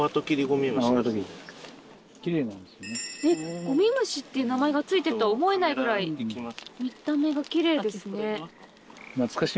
「ゴミムシ」っていう名前が付いてるとは思えないくらい見た目がキレイですね。